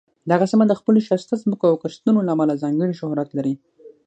دغه سیمه د خپلو ښایسته ځمکو او کښتونو له امله ځانګړې شهرت لري.